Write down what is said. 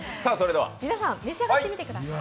皆さん、召し上がってみてください。